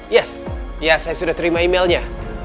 yes ya saya sudah terima emailnya